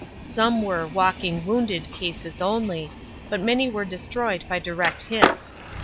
Some were "walk ing wounded" cases only, but many were destroyed by direct hits.